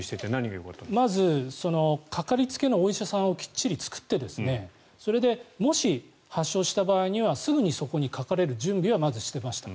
まず、かかりつけのお医者さんをきっちり作ってそれで、もし発症した場合にはすぐにそこにかかれる準備はまずしていました。